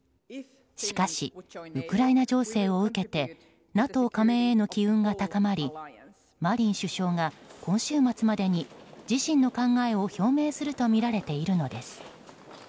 しかし、ウクライナ情勢を受けてＮＡＴＯ加盟への機運が高まりマリン首相が今週末までに自身の考えを表明するとみられているのです。